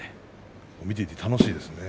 見ていて楽しいですね。